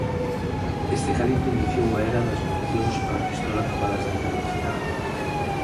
Este calibre iniciou a era das municións para pistola con balas de alta velocidade.